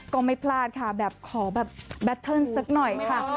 ก็ไม่พลาดค่ะแบบขอแบบแบตเทิร์นสักหน่อยค่ะ